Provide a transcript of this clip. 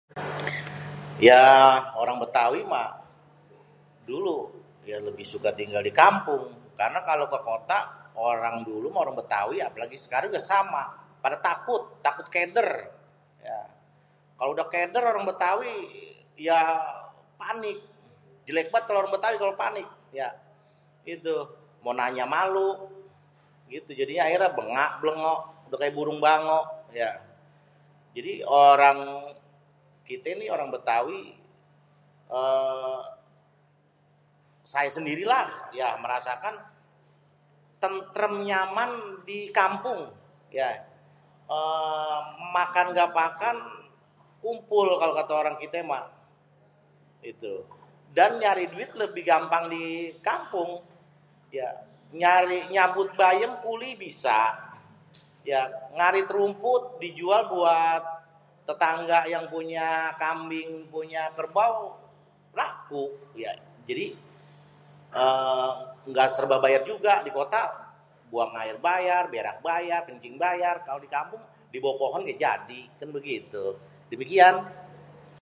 yaa orang bêtawi mah dulu yaa lebih suka tinggal di kampung.. karena kalo ke kota orang dulu apalagi orang bêtawi yang sekarang sama pada takut, takut kédêr.. kalo udah kédêr orang bêtawi ya panik.. jelék banget kalo orang bêtawi kalo panik.. ya itu mau nanya malu.. jadi akhirnya blêngak-blêngok udah kayak burung bango yak.. jadi orang kité nih kité orang bêtawi ééé saya sendiri lah merasakan tentrêm nyaman di kampung.. makan ngga makan kumpul kalo kata orang kité mah.. itu.. dan nyari duit lebih gampang di kampung.. nyabut bayêm kuli bisa.. ngarit rumput dijual buat tetangga yang punya kambing punya kerbau laku.. jadi ngga serba bayar juga.. di kota buang air bayar, bêrak bayar, kêncing bayar.. kalo di kampung di bawah pohon uga jadi kan gitu.. demikian..